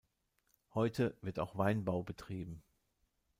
Heute wird auch Weinbau betrieben.